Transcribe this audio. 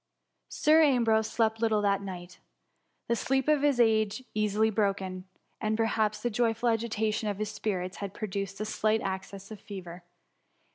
Sir Ambrose slept little that night: the sleep of age is easily broken, and perhaps the joyful a^tation of his spirits had produced a slight access of fever.